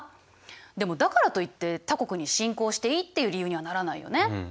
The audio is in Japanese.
でもだからといって他国に侵攻していいっていう理由にはならないよね。